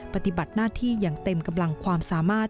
ปฏิบัติหน้าที่อย่างเต็มกำลังความสามารถ